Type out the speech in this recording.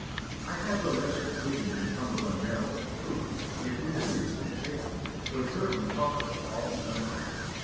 I had relations living in Cumberland, Maryland, who, if we could reach them safely, would certainly help us all in their power.